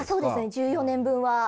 １４年分は。